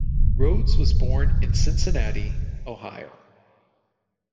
Rhodes was born in Cincinnati, Ohio.